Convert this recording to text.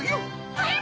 はい！